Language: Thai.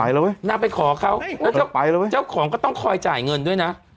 นางไปขอเขาแล้วเจ้าของก็ต้องคอยจ่ายเงินด้วยนะ